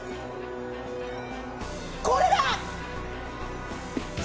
これだ！